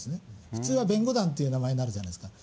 普通は弁護団という名前になるじゃないですか。